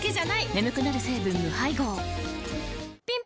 眠くなる成分無配合ぴん